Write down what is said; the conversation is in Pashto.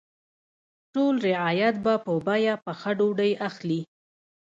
ټول رعیت به په بیه پخه ډوډۍ اخلي.